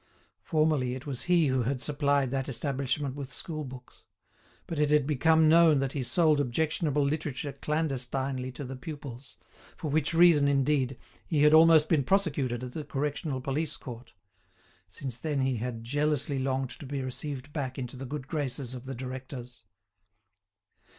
Formerly it was he who had supplied that establishment with school books. But it had become known that he sold objectionable literature clandestinely to the pupils; for which reason, indeed, he had almost been prosecuted at the Correctional Police Court. Since then he had jealously longed to be received back into the good graces of the directors.